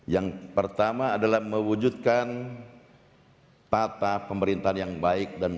yang pertama adalah mewujudkan tata pemerintahan yang baik